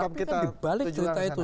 tapi kan di balik cerita itu